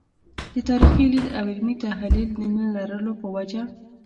د تاریخي لید او علمي تحلیل د نه لرلو په وجه.